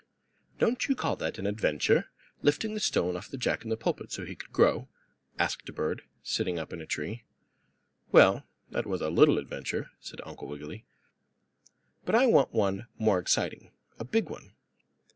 "Don't you call that an adventure lifting the stone off the Jack in the Pulpit so he could grow?" asked a bird, sitting up in a tree. "Well, that was a little adventure." said Uncle Wiggily. "But I want one more exciting; a big one."